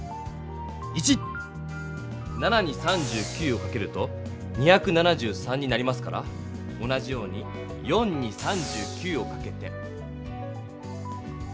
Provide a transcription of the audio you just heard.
７に３９をかけると２７３になりますから同じように４に３９をかけて。